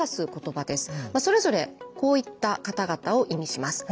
それぞれこういった方々を意味します。